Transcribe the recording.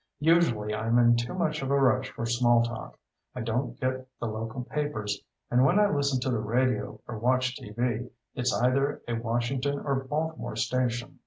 Usually I'm in too much of a rush for small talk. I don't get the local papers, and when I listen to the radio or watch TV, it's either a Washington or Baltimore station.